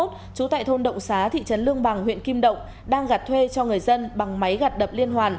trú tại thôn động xá thị trấn lương bằng huyện kim động đang gặt thuê cho người dân bằng máy gặt đập liên hoàn